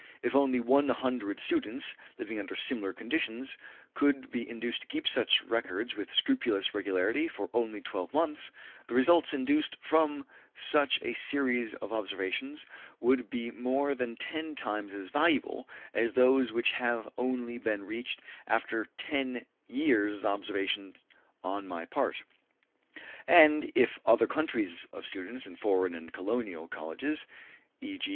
If only one hundred students, living under similar conditions, could be induced to keep such records with scrupulous regularity for only twelve months, the results induced from such a series of observations would be more than ten times as valuable as those which have only been reached after ten years' observations on my part; and, if other centuries of students in foreign and colonial colleges e.g.